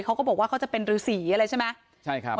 เขาก็บอกว่าเขาจะเป็นรือสีอะไรใช่ไหมใช่ครับ